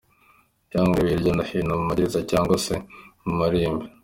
Cyangwa urebe hirya no hino mu ma gereza cyangwa se mu marimbi!